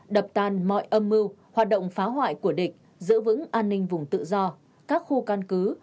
đập tàn mọi âm mưu hoạt động phá hoại của địch giữ vững an ninh vùng tự do các khu căn cứ